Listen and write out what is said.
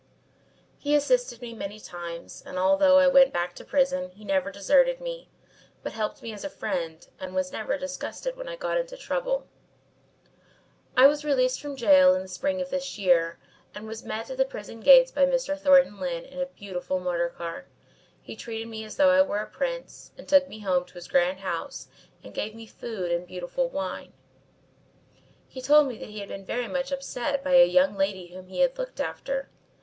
"He assisted me many times, and although I went back to prison, he never deserted me, but helped me as a friend and was never disgusted when I got into trouble. "I was released from gaol in the spring of this year and was met at the prison gates by Mr. Thornton Lyne in a beautiful motor car. He treated me as though I were a prince and took me home to his grand house and gave me food and beautiful wine. "He told me that he had been very much upset by a young lady whom he had looked after.